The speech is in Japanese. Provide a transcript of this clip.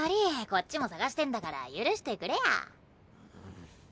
こっちも捜してんだから許してくれや。